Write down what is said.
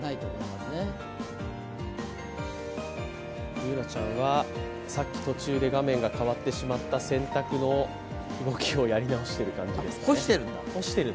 Ｂｏｏｎａちゃんはさっき途中で画面が変わってしまった洗濯の動きを干してる？